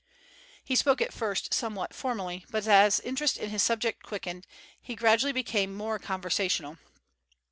He spoke at first somewhat formally, but as interest in his subject quickened, he gradually became more conversational.